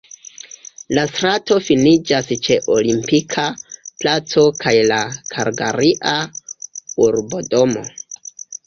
La strato finiĝas ĉe Olimpika Placo kaj la Kalgaria urbodomo.